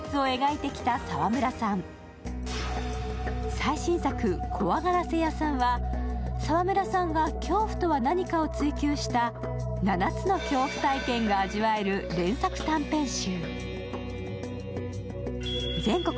最新作「怖ガラセ屋サン」は澤村さんが恐怖とは何かを追求した７つの恐怖体験が味わえる連作短編集。